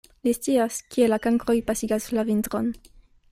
Li scias, kie la kankroj pasigas la vintron.